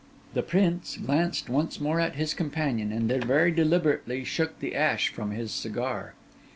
The prince glanced once more at his companion, and then very deliberately shook the ash from his cigar.